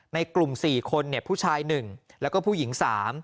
ในกลุ่มสี่คนเนี่ยผู้ชายหนึ่งแล้วก็ผู้หญิงสาม